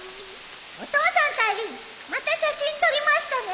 お父さん隊員また写真撮りましたね？